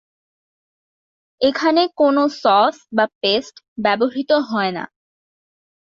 এখানে কোন সস বা পেস্ট ব্যবহৃত হয়না।